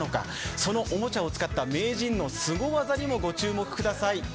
そのおもちゃを使った名人のすご技にも御注目ください。